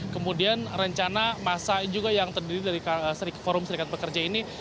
kemudian rencana masa juga yang terdiri dari forum serikat pekerja ini